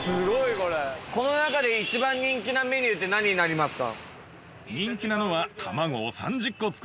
この中で一番人気なメニューって何になりますか？